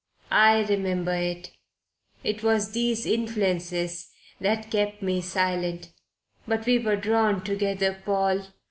"I remember it it was these influences that kept me silent. But we were drawn together, Paul."